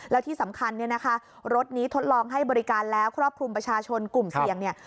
แล้วที่สำคัญเนี่ยนะคะรถนี้ทดลองให้บริการแล้วครอบคลุมประชาชนกลุ่มเสี่ยงเนี่ย